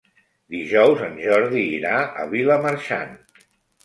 Dijous en Jordi irà a Vilamarxant.